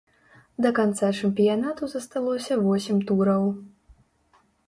Да канца чэмпіянату засталося восем тураў.